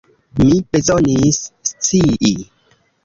Mi bezonis scii!